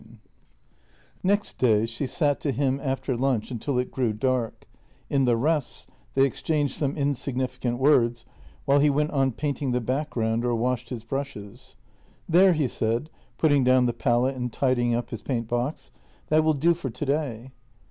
IX N EXT day she sat to him after lunch until it grew dark; in the rests, they exchanged some insignificant words while he went on painting the background or washed his brushes. " There," he said, putting down the palette and tidying up his paint box. " That will do for today."